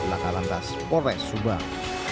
belakang lantas polres subang